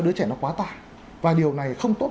đứa trẻ nó quá tải và điều này không tốt